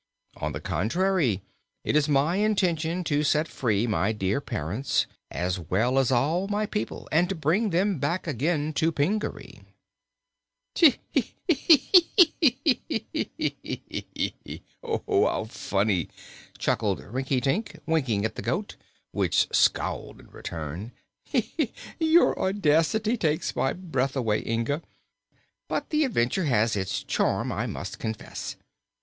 "On the contrary, it is my intention to set free my dear parents, as well as all my people, and to bring them back again to Pingaree." "Cheek eek eek eek eek! How funny!" chuckled Rinkitink, winking at the goat, which scowled in return. "Your audacity takes my breath away, Inga, but the adventure has its charm, I must, confess.